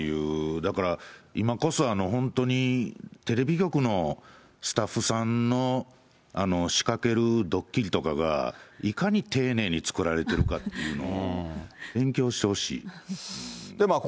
だから、今こそ本当にテレビ局のスタッフさんの仕掛けるドッキリとかが、いかに丁寧に作られているかっていうのを、勉強してほしい。